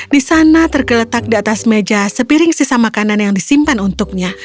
di sana tergeletak di atas meja sepiring sisa makanan yang disimpan untuknya